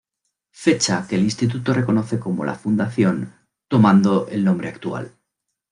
Fecha que el instituto reconoce como la fundación, tomando el nombre actual.